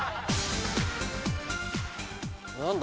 何だ？